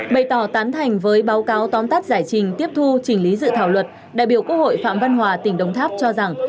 bày tỏ tán thành với báo cáo tóm tắt giải trình tiếp thu chỉnh lý dự thảo luật đại biểu quốc hội phạm văn hòa tỉnh đồng tháp cho rằng